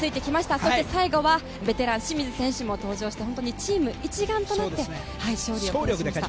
そして、最後はベテラン、清水選手も登場して本当にチーム一丸となって勝利しました。